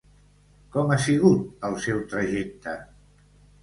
Com ha sigut el seu trajecte?